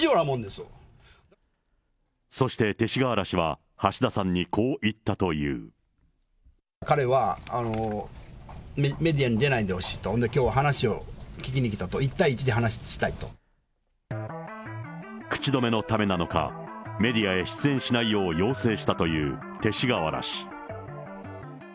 そして勅使河原氏は橋田さん彼は、メディアに出ないでほしいと、それできょう、話を聞きに来たと、口止めのためなのか、メディアへ出演しないよう要請したという勅使河原氏。